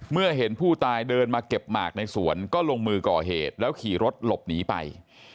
เมื่อเห็นผู้ตายเดินมาเก็บหมากในสวนก็ลงมือก่อเหตุแล้วขี่รถหลบหนีไป